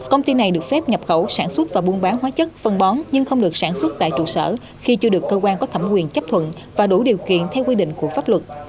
công ty này được phép nhập khẩu sản xuất và buôn bán hóa chất phân bón nhưng không được sản xuất tại trụ sở khi chưa được cơ quan có thẩm quyền chấp thuận và đủ điều kiện theo quy định của pháp luật